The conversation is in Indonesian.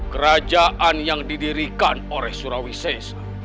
kerajaan yang didirikan oleh surauk sessa